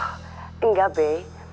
oh enggak be